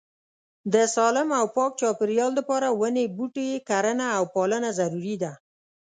د سالیم او پاک چاپيريال د پاره وني بوټي کرنه او پالنه ضروري ده